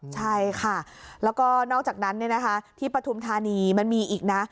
ใช่ค่ะแล้วก็นอกจากนั้นที่ปฐุมธานีมันมีอีกนะ